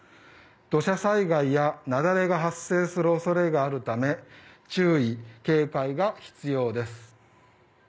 土砂災害や雪崩が発生する恐れがあるため注意・警戒が必要です。